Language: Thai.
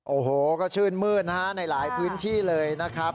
โอ้โหก็ชื่นมืดนะฮะในหลายพื้นที่เลยนะครับ